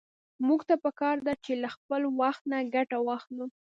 موږ ته په کار ده چې له خپل وخت نه ګټه واخلو.